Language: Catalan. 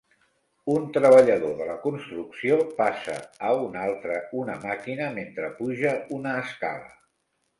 Un treballador de la construcció passa a un altre una màquina mentre puja una escala.